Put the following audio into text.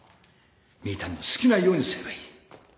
みぃたんの好きなようにすればいい。